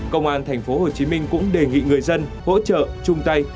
công an thành phố hồ chí minh cũng đề nghị người dân hỗ trợ chung tay